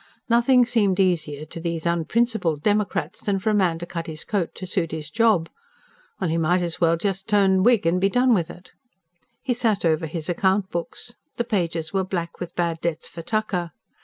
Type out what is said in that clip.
Nothing seemed easier to these unprincipled democrats than for a man to cut his coat to suit his job. Why, he might just as well turn Whig and be done with it! He sat over his account books. The pages were black with bad debts for "tucker."